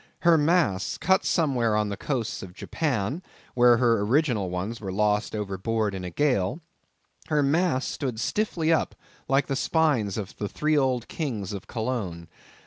Her masts—cut somewhere on the coast of Japan, where her original ones were lost overboard in a gale—her masts stood stiffly up like the spines of the three old kings of Cologne.